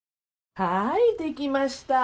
はーいできました。